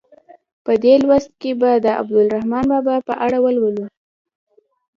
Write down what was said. په دې لوست کې به د عبدالرحمان بابا په اړه ولولئ.